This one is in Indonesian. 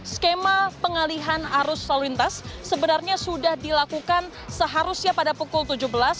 skema pengalihan arus lalu lintas sebenarnya sudah dilakukan seharusnya pada pukul tujuh belas